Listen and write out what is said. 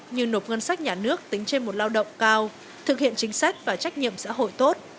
như nộp ngân sách nhà nước tính trên một lao động cao thực hiện chính sách và trách nhiệm xã hội tốt